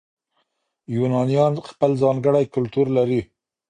یونانیان خپل ځانګړی کلتور لري.